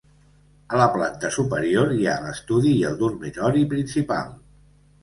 A la planta superior hi ha l'estudi i el dormitori principal.